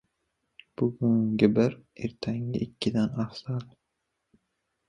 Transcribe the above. • Bugungi bir, ertangi ikkidan afzal.